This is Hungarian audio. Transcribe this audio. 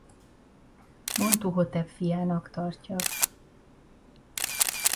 Montuhotep fiának tartja.